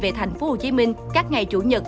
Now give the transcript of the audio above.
về tp hcm các ngày chủ nhật